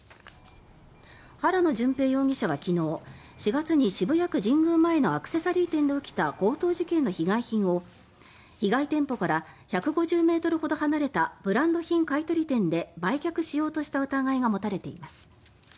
原野純平容疑者は昨日４月に渋谷区神宮前のアクセサリー店で起きた強盗事件の被害品を被害店舗から１５０ｍほど離れたブランド品買い取り店で売却しようとした疑いが持たれています。